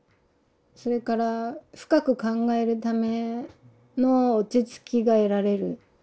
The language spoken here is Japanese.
それから深く考えるための落ち着きが得られる。